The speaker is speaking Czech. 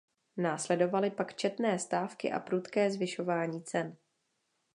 Následovaly pak četné stávky a prudké zvyšování cen.